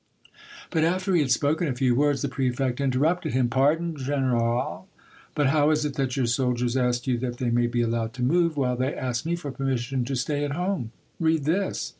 But after he had spoken a few words, the prefect interrupted him, —" Pardon, general, but how is it that your soldiers ask you that they may be allowed to move, while they ask me for permission to stay at home ! Read this."